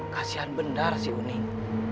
kasian benar si uning